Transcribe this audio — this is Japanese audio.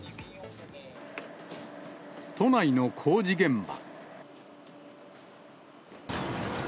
都内の工事現場。